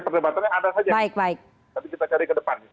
perdebatannya ada saja tapi kita cari ke depan